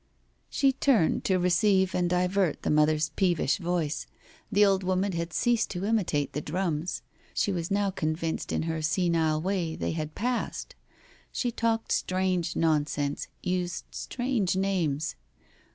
She turned to receive and divert the mother's peevish voice. The old woman had ceased to imitate the drums ; she was now convinced in her senile way they had passed. She talked strange nonsense, used strange names.